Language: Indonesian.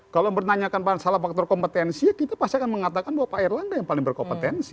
kalau bertanyakan salah faktor kompetensi ya kita pasti akan mengatakan bahwa pak erlangga yang paling berkompetensi